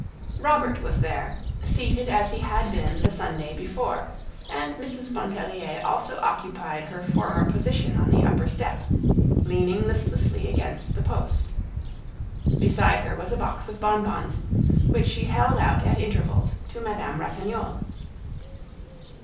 Robert was there, seated as he had been the Sunday before, and Mrs. Pontellier also occupied her former position on the upper step, leaning listlessly against the post. Beside her was a box of bonbons, which she held out at intervals to Madame Ratignolle.